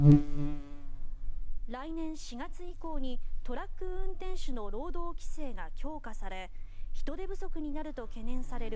来年４月以降にトラック運転手の労働規制が強化され人手不足になると懸念される